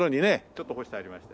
ちょっと干してありまして。